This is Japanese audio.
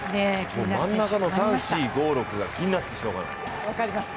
真ん中の３、４、５、６、が気になってしょうがない。